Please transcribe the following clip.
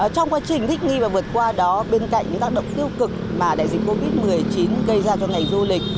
trong quá trình thích nghi và vượt qua đó bên cạnh những tác động tiêu cực mà đại dịch covid một mươi chín gây ra cho ngành du lịch